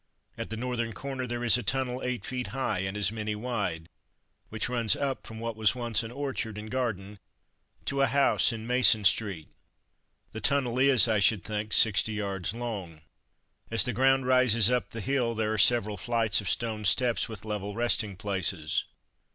At the northern corner there is a tunnel eight feet high, and as many wide, which runs up from what was once an orchard and garden, to a house in Mason street. The tunnel is, I should think, 60 yards long. As the ground rises up the hill, there are several flights of stone steps with level resting places.